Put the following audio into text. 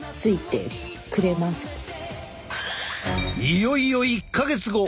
いよいよ１か月後。